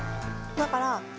だから。